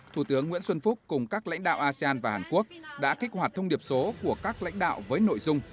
thủ tướng nguyễn xuân phúc cùng các lãnh đạo asean và hàn quốc đã kích hoạt thông điệp số của các lãnh đạo với nội dung